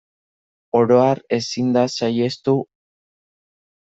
Oro har ezin da saihestu.